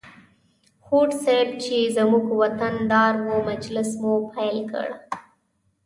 هوډ صیب چې زموږ وطن دار و مجلس پیل کړ.